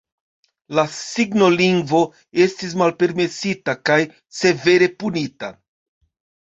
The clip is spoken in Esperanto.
La signolingvo estis malpermesita, kaj severe punita.